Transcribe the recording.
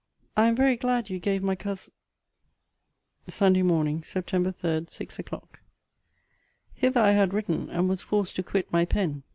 I am very glad you gave my cous SUNDAY MORNING, SEPT. 3, SIX O'CLOCK. Hither I had written, and was forced to quit my pen.